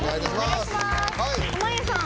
濱家さん